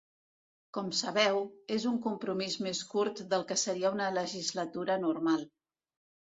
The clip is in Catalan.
Com sabeu, és un compromís més curt del que seria una legislatura normal.